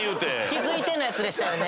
「気付いて」のやつでしたね。